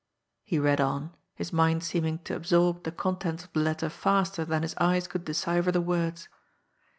He read on, his mind seeming to absorb the contents of the letter faster than his eyes could decipher the words.